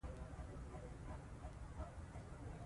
مالداري د افغانستان له عمده اقتصادي سرچينو څخه ده.